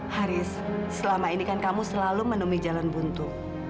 haris selama ini kan kamu selalu menemui jalan buntu